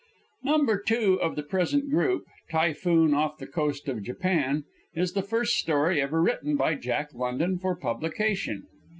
Number two of the present group, "Typhoon Off the Coast of Japan," is the first story ever written by Jack London for publication.